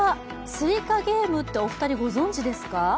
スイカゲームってお二人ご存じですか？